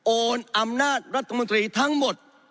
โอนอำนาจรัฐมนตรีทั้งหมด